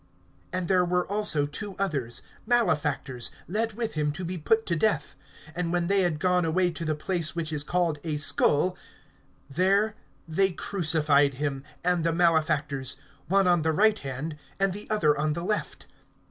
(32)And there were also two others, malefactors, led with him to be put to death. (33)And when they had gone away to the place which is called A Skull, there they crucified him, and the malefactors, one on the right hand, and the other on the left.